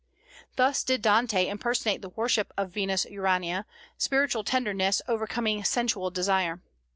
Thus did Dante impersonate the worship of Venus Urania, spiritual tenderness overcoming sensual desire.